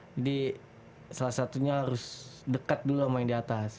jadi salah satunya harus dekat dulu sama yang di atas